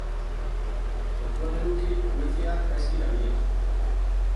Kontuan eduki wifia gaizki dabilela.